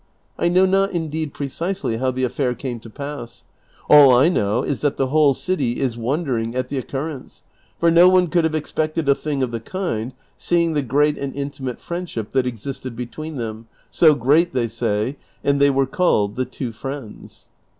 I know not indeed, precisely, how the afl:air came to pass ; all I know is that the whole city is wondering at the occur rence, for no one could have expected a thing of the kind, seeing the great and intimate friendship that existed between them, so great, they say, that they were called ' The two Friends.'"